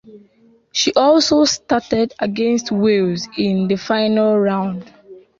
She also started against Wales in the final round.